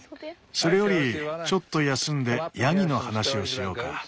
それよりちょっと休んでヤギの話をしようか。